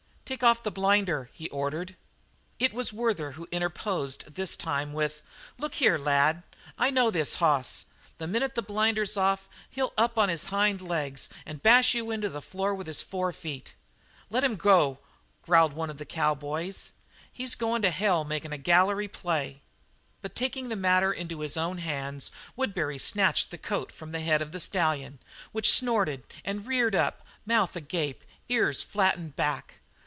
"Take off the blinder," he ordered. It was Werther who interposed this time with: "Look here, lad, I know this hoss. The minute the blinder's off he'll up on his hind legs and bash you into the floor with his forefeet." "Let him go," growled one of the cowboys. "He's goin' to hell making a gallery play." But taking the matter into his own hands Woodbury snatched the coat from the head of the stallion, which snorted and reared up, mouth agape ears flattened back.